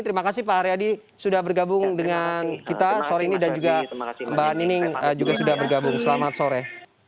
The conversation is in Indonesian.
terima kasih pak haryadi sudah bergabung dengan kita sore ini dan juga mbak nining juga sudah bergabung selamat sore